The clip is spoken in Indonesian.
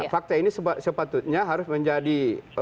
fakta ini sepatutnya harus menjadi